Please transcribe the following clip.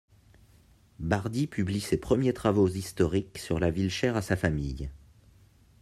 Bardy publie ses premiers travaux historiques sur la ville chère à sa famille.